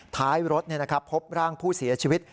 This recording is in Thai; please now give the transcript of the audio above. ท้ายรถพบร่างผู้เสียชีวิต